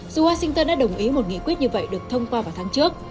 dù washington đã đồng ý một nghị quyết như vậy được thông qua vào tháng trước